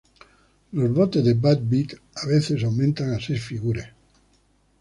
Los botes de "bad beat" a veces aumentan a seis figures.